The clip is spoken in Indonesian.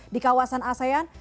di kawasan asean